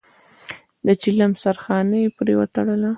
د چيلم سرخانه يې پرې وتړله.